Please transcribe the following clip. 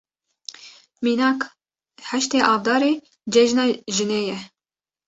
Mînak, heştê Avdarê Cejna Jinê ye.